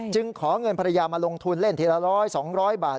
ขอเงินภรรยามาลงทุนเล่นทีละ๑๐๐๒๐๐บาท